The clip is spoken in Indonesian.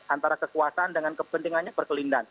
antara kekuasaan dengan kepentingannya berkelindahan